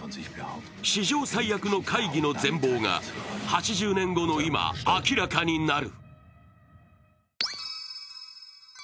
史上最悪の会議の全貌が８０年後の今、明らかになる。